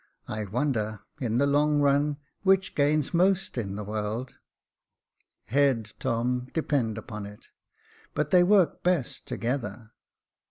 I wonder, in the long run, which gains most in the world." " Head, Tom, depend upon it ; but they work best together."